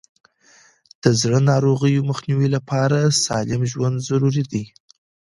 د زړه ناروغیو مخنیوي لپاره سالم ژوند ضروري دی.